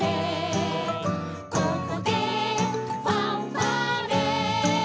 「ここでファンファーレ」